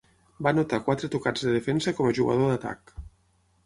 Va anotar quatre tocats de defensa com a jugador d'atac.